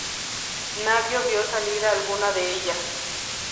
Nadie vio salir a alguna de ellas.